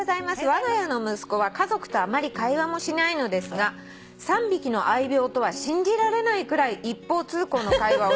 「わが家の息子は家族とあまり会話もしないのですが３匹の愛猫とは信じられないくらい一方通行の会話をしています」